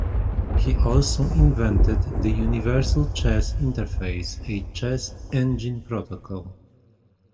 He also invented the Universal Chess Interface, a chess engine protocol.